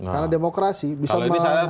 karena demokrasi bisa menggantikan kekuasaan